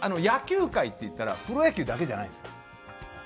野球界っていったらプロ野球だけじゃないんですよ。